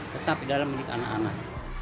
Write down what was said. tetapi dalam milik anak anak